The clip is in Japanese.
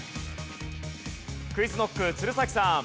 ＱｕｉｚＫｎｏｃｋ鶴崎さん。